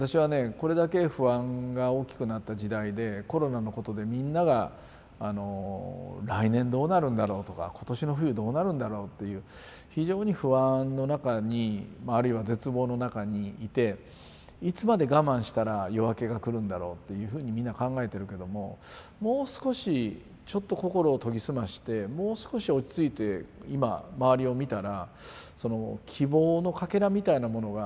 これだけ不安が大きくなった時代でコロナのことでみんなが来年どうなるんだろうとか今年の冬どうなるんだろうっていう非常に不安の中にあるいは絶望の中にいていつまで我慢したら夜明けが来るんだろうっていうふうにみんな考えてるけどももう少しちょっと心を研ぎ澄ましてもう少し落ち着いて今周りを見たら希望のかけらみたいなものがもう始まってるんじゃないか。